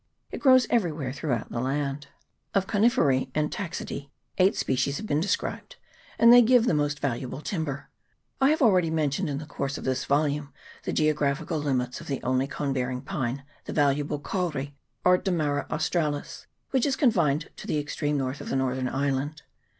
It grows everywhere throughout the island. Of ConifercB and Taxidece 8 species have been described, and they give the most valuable timber. I have already mentioned in the course of this volume the geographical limits of the only cone bearing pine, the valuable kauri, or Dammaru Australis, which is confined to the extreme north of CHAP. XXIX.] NEW ZEALAND. 427 the northern island.